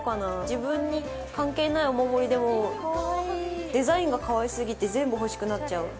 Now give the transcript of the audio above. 自分に関係ないお守りでも、デザインがかわいすぎて、全部欲しくなっちゃう。